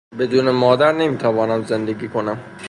بدون مادر نمی توانم زندگی کنم.